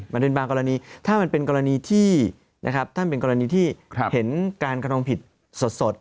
มันเป็นบางกรณีถ้ามันเป็นกรณีที่เห็นการกระทงผิดสด